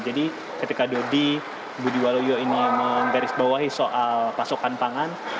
jadi ketika dodi budiwaluyo ini menggarisbawahi soal pasokan pangan